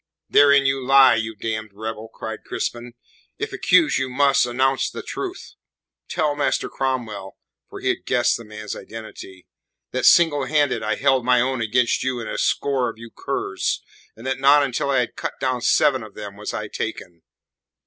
"Therein you lie, you damned rebel!" cried Crispin. "If accuse you must, announce the truth. Tell Master Cromwell" for he had guessed the man's identity "that single handed I held my own against you and a score of you curs, and that not until I had cut down seven of them was I taken.